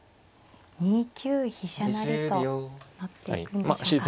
２九飛車成と成っていくんでしょうか。